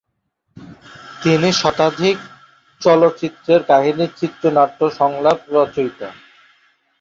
তিনি শতাধিক চলচ্চিত্রের কাহিনী-চিত্রনাট্য-সংলাপ রচয়িতা।